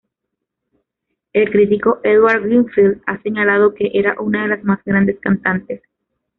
El crítico Edward Greenfield ha señalado que “Era una de las más grandes cantantes.